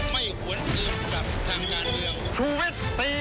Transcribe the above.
ไม่หวนอื่นกับทางยานเดียว